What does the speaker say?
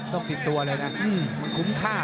ต้องติดตัวเลยนะมันคุ้มค่า